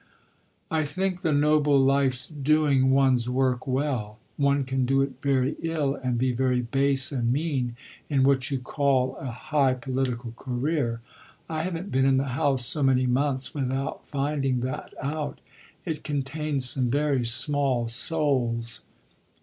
"I think the noble life's doing one's work well. One can do it very ill and be very base and mean in what you call a high political career. I haven't been in the House so many months without finding that out. It contains some very small souls."